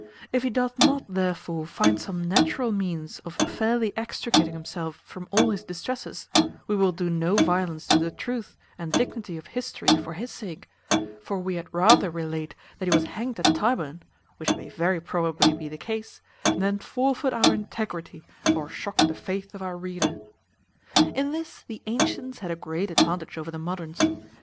If he doth not therefore find some natural means of fairly extricating himself from all his distresses, we will do no violence to the truth and dignity of history for his sake; for we had rather relate that he was hanged at Tyburn (which may very probably be the case) than forfeit our integrity, or shock the faith of our reader. In this the antients had a great advantage over the moderns.